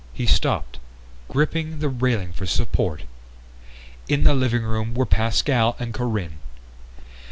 He stopped, gripping the railing for support. In the living room were Pascal and Corinne.